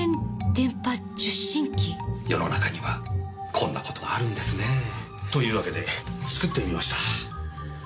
世の中にはこんな事があるんですねえ。というわけで作ってみました。